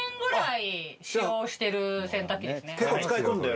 結構使い込んで。